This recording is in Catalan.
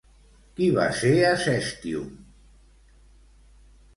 Qui va ser Acestium?